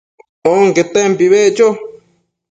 onquetempi beccho